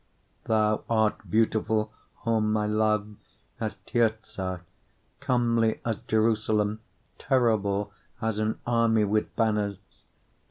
6:4 Thou art beautiful, O my love, as Tirzah, comely as Jerusalem, terrible as an army with banners.